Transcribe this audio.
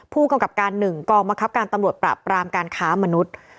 ผู้กำกับการหนึ่งกองมะครับการตำรวจประปรามการค้ามนุษย์